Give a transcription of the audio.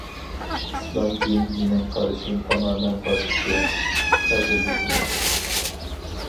ئىسلام دىن. مېنىڭ قارىشىم تامامەن باشقىچە، قەدىرلىكىم.